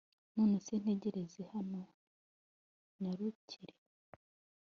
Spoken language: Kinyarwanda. nonese ntegereza hano nyarukire